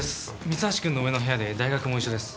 三橋くんの上の部屋で大学も一緒です。